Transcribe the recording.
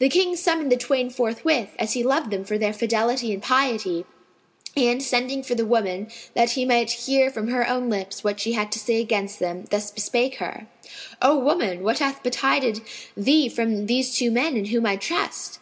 The King summoned the twain forthwith, as he loved them for their fidelity and piety; and, sending for the woman, that he might hear from her own lips what she had to say against them, thus bespake her, "O woman, what hath betided thee from these two men in whom I trust?"